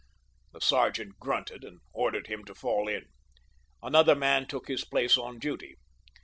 The sergeant grunted and ordered him to fall in. Another man took his place on duty.